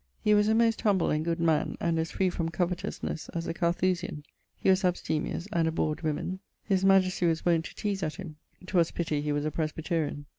He was a most humble and good man, and as free from covetousness as a Carthusian. He was abstemious and abhorred woemen. His majesty was wont to teaze at him. 'Twas pitty he was a Presbyterian.